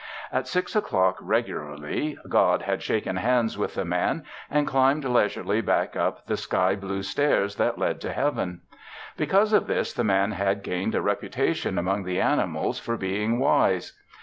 At six o'clock regularly God had shaken hands with the Man and climbed leisurely back up the sky blue stairs that led to Heaven. Because of this the Man had gained a reputation among the animals for being wise.